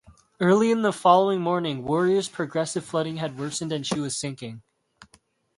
Early the following morning "Warrior"s progressive flooding had worsened and she was sinking.